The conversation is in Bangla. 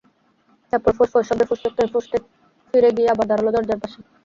তারপর ফোঁস ফোঁস শব্দে ফুঁসতে ফুঁসতে ফিরে গিয়ে আবার দাঁড়াল দরজার পাশে।